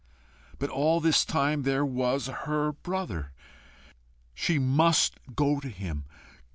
But all this time there was her brother! She MUST go to him.